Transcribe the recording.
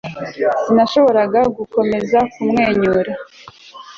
Sinashoboraga gukomeza kumwenyura